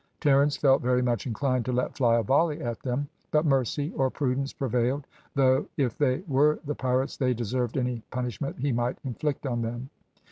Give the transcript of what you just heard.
Terence felt very much inclined to let fly a volley at them, but mercy, or prudence, prevailed, though if they were the pirates they deserved any punishment he might inflict on them.